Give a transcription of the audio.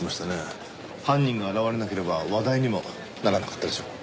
犯人が現れなければ話題にもならなかったでしょう？